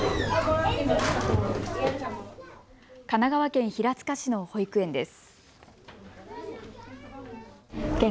神奈川県平塚市の保育園です。